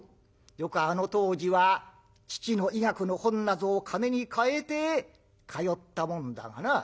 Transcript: よくあの当時は父の医学の本なぞを金に換えて通ったもんだがな。